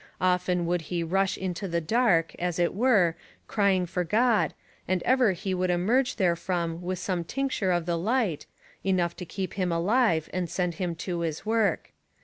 Often would he rush into the dark, as it were, crying for God, and ever he would emerge therefrom with some tincture of the light, enough to keep him alive and send him to his work.